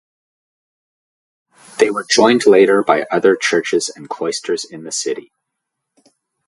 They were joined later by other churches and cloisters in the city.